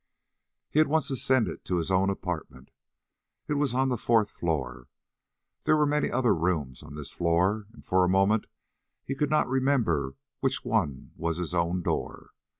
He at once ascended to his own apartment. It was on the fourth floor. There were many other rooms on this floor, and for a moment he could not remember which was his own door.